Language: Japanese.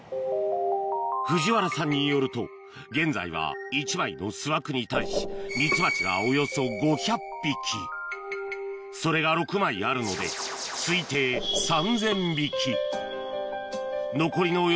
藤原さんによると現在は１枚の巣枠に対しミツバチがおよそ５００匹それが６枚あるのでこれは。